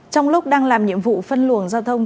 trong lúc đang làm nhiệm vụ phân luồng giao thông